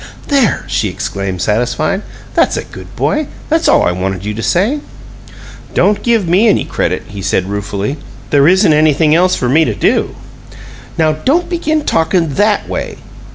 "There!" she exclaimed, satisfied. "That's a good boy! That's all I wanted you to say." "Don't give me any credit," he said, ruefully. "There isn't anything else for me to do." "Now, don't begin talkin' THAT way!"